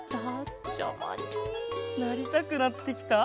なりたくなってきた？